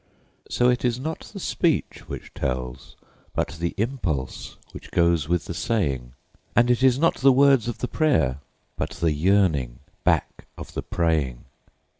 So it is not the speech which tells, but the impulse which goes with the saying; And it is not the words of the prayer, but the yearning back of the praying.